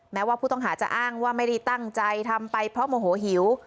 แม้ว่าผู้ต้องหาจะอ้างว่าไม่ได้ตั้งใจทำไปเพราะโมโหหิว